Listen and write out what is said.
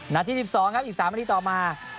นาที๑๒ครับอีก๓นาทีต่อมา